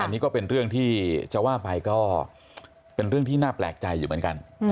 อันนี้ก็เป็นเรื่องที่จะว่าไปก็เป็นเรื่องที่น่าแปลกใจอยู่เหมือนกัน